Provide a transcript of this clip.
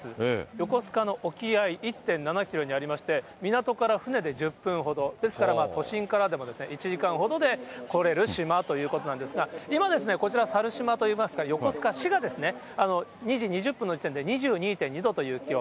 横須賀の沖合１．７キロにありまして、港から船で１０分ほど、ですから都心からでも１時間ほどで、来れる島ということなんですが、今ですね、こちら猿島といいますか、横須賀市が２時２０分の時点で２２．２度という気温。